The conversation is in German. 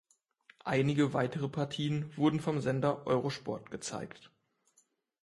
Einige weitere Partien wurden vom Sender Eurosport gezeigt.